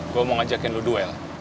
gue mau ngajakin lu duel